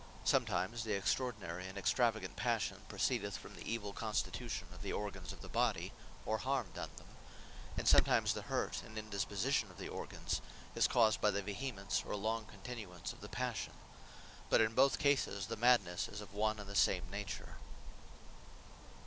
Sometimes the extraordinary and extravagant Passion, proceedeth from the evill constitution of the organs of the Body, or harme done them; and sometimes the hurt, and indisposition of the Organs, is caused by the vehemence, or long continuance of the Passion. But in both cases the Madnesse is of one and the same nature.